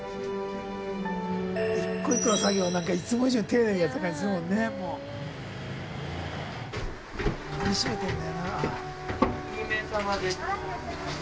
１個１個の作業なんかいつも以上に丁寧にやってた感じするもんね。